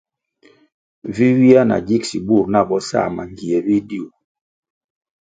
Vi ywia na gigsi bur nah bo sa mangie bidiu.